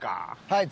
はい。